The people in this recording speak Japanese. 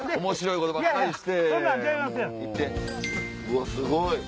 うわっすごい！